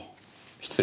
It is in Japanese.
失礼。